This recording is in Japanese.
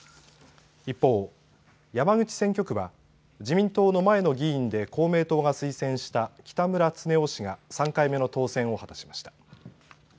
一方、山口選挙区は自民党の前の議員で公明党が推薦した北村経夫氏が３回目の当選を果たしました。